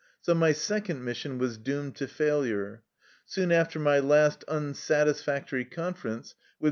So my second mission was doomed to failure. Soon after my last unsatisfactory conference with M.